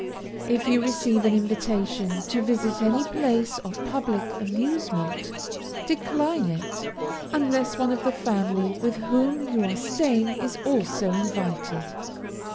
If you receive an invitation to visit any place of public amusement, decline it, unless one of the family with whom you are staying is also invited.